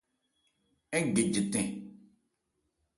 Ń gɛ jɛtɛn.